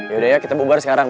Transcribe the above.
yaudah ya kita bubar sekarang